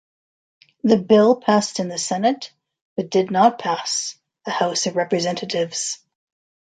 The bill passed in the Senate, but did not pass the House of Representatives.